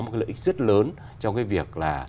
một cái lợi ích rất lớn trong cái việc là